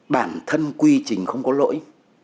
bản thân quy trình không có lỗi